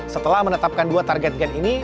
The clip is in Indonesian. setelah menetapkan dua target gen ini